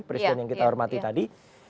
presiden yang kita hormati tadi